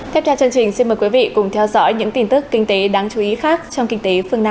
tiếp theo chương trình xin mời quý vị cùng theo dõi những tin tức kinh tế đáng chú ý khác trong kinh tế phương nam